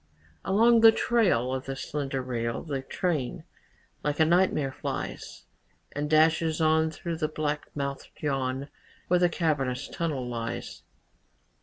Along the trail Of the slender rail The train, like a nightmare, flies And dashes on Through the black mouthed yawn Where the cavernous tunnel lies.